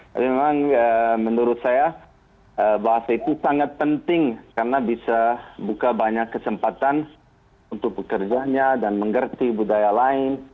tapi memang menurut saya bahasa itu sangat penting karena bisa buka banyak kesempatan untuk pekerjanya dan mengerti budaya lain